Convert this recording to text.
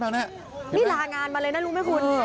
นี่ลางานมาเลยนะรู้ไหมคุณ